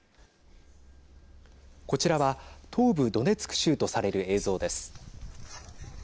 こちらは東部ドネツク州とされる映像です。